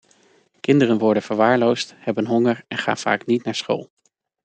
Kinderen worden verwaarloosd, hebben honger en gaan vaak niet naar school.